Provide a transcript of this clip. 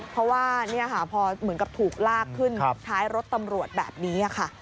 เพราะว่าพอเหมือนกับถูกลากขึ้นท้ายรถตำรวจแบบนี้ค่ะ